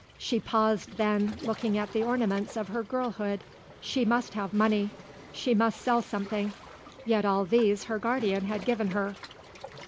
She paused then, looking at the ornaments of her girlhood. She must have money. She must sell something; yet all these her guardian had given her.